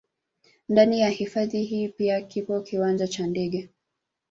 Ndani ya hifadhi hii pia kipo kiwanja cha ndege